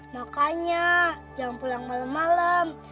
makanya jangan pulang malem malem